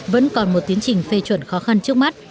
vẫn còn một tiến trình phê chuẩn khó khăn trước mắt